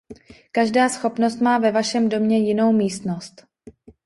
Každá schopnost má ve vašem domě jinou místnost.